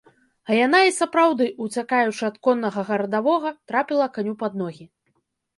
А яна, і сапраўды, уцякаючы ад коннага гарадавога, трапіла каню пад ногі.